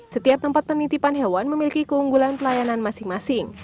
setiap tempat penitipan hewan memiliki keunggulan pelayanan masing masing